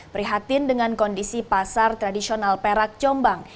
prihatin dengan kondisi pasar tradisional perak jombang